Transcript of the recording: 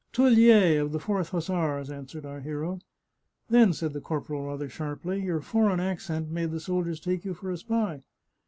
" Teulier, of the Fourth Hussars," answered our hero. " Then," said the corporal rather sharply, " your for eign accent made the soldiers take you for a spy